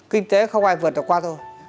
kinh tế không ai vượt được qua thôi